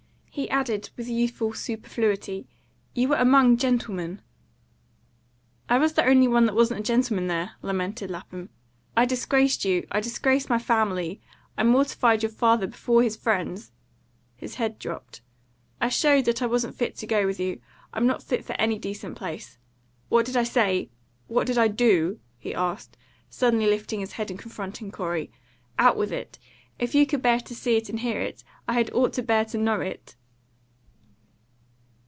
He added, with youthful superfluity, "You were among gentlemen." "I was the only one that wasn't a gentleman there!" lamented Lapham. "I disgraced you! I disgraced my family! I mortified your father before his friends!" His head dropped. "I showed that I wasn't fit to go with you. I'm not fit for any decent place. What did I say? What did I do?" he asked, suddenly lifting his head and confronting Corey. "Out with it! If you could bear to see it and hear it, I had ought to bear to know it!"